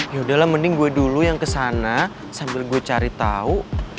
ya udahlah mending gue dulu yang kesana sambil gue cari tau